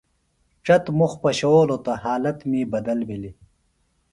ڇت مُخ پشَؤولوۡ تہ حالت می بدل بِھلیۡ۔